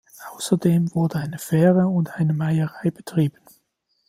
Außerdem wurde eine Fähre und eine Meierei betrieben.